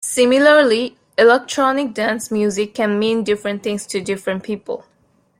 Similarly, "electronic dance music" can mean different things to different people.